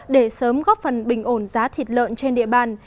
để sớm góp phần bình ổn giá thịt lợn trên địa bàn